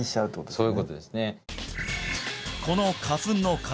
そういうことですね